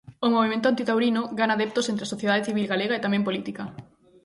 O movemento antitaurino gana adeptos entre a sociedade civil galega e tamén política.